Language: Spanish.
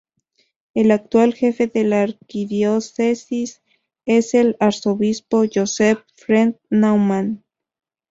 El actual jefe de la Arquidiócesis es el arzobispo Joseph Fred Naumann.